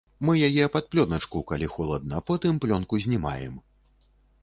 Мы яе пад плёначку, калі халодна, потым плёнку знімаем!